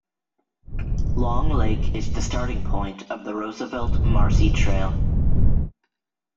Long Lake is the starting point of the Roosevelt-Marcy Trail.